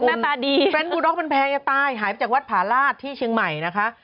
หน้าตาดีเฟรนดูด็อกมันแพงจะตายหายไปจากวัดผาลาศที่เชียงใหม่นะคะ